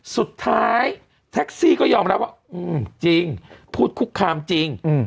สุดท้ายแท็กซี่ก็ยอมรับว่าจริงพูดคุกคามจริง